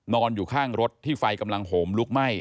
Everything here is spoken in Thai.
นอนอยู่ข้างรถที่ไฟกำลังโหมลุกไหม้